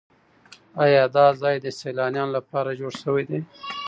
ایا دا ځای د سیلانیانو لپاره جوړ شوی دی؟